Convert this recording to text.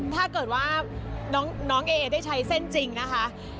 ถ้าเกิดว่าน้องเอได้ใช้เส้นจริงนะคะ